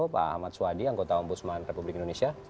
pak ahmad swadi anggota ombudsman republik indonesia